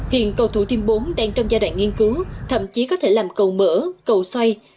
hiện cầu thủ thiêm bốn đang trong giai đoạn nghiên cứu thậm chí có thể làm cầu mở cầu xoay